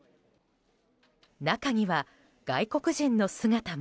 中には外国人の姿も。